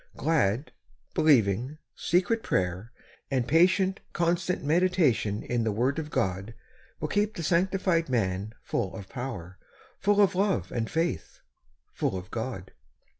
Glad, believing, secret prayer, and patient, constant meditation in the word of God will keep the sanctified man full of power, full of love and faith, full of God.